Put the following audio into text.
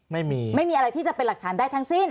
ไม่มีไม่มีอะไรที่จะเป็นหลักฐานได้ทั้งสิ้น